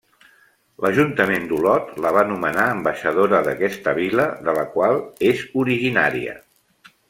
L'ajuntament d'Olot la va nomenar ambaixadora d'aquesta vila, de la qual és originària.